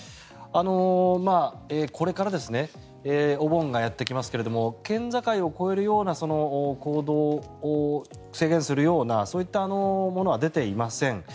これからお盆がやってきますが県境を越えるような行動を制限するようなそういったものは出ていません。